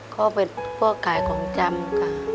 เขาเป็นพวกขายของจำค่ะ